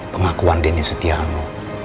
pengakuan deniz setiano